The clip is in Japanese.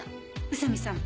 宇佐見さん